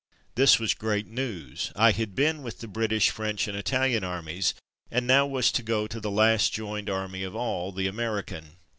This was great news. I had been with the British, French, and Italian armies, and now was to go to the last joined army of all — the American.